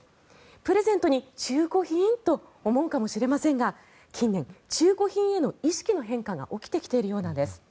プレゼントに中古品？と思うかもしれませんが近年、中古品への意識の変化が起きてきているようなんです。